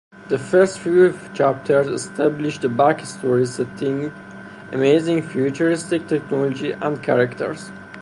The first few chapters establish the backstory, setting, amazing futuristic technology and characters.